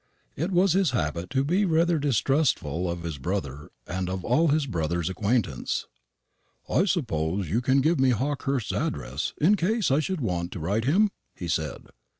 It was his habit to be rather distrustful of his brother and of all his brother's acquaintance. "I suppose you can give me Hawkehurst's address, in case I should want to write to him?" he said.